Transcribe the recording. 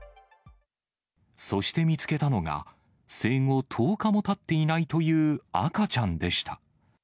そして見つけたのが、生後１０日もたっていないという赤ちゃんでした。